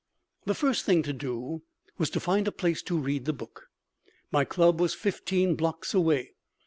The first thing to do was to find a place to read the book. My club was fifteen blocks away.